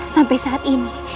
sampai saat ini